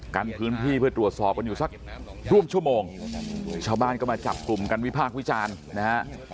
กันพื้นที่เพื่อตรวจสอบกันอยู่สักร่วมชั่วโมงชาวบ้านก็มาจับกลุ่มกันวิพากษ์วิจารณ์นะฮะ